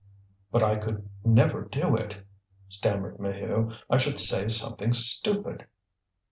"But I could never do it," stammered Maheu. "I should say something stupid."